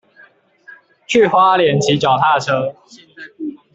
去花蓮騎腳踏車